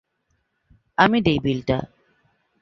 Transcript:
আমি দিই বিলটা।